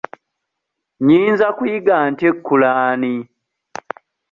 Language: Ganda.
Nyinza kuyiga ntya ekulaanii?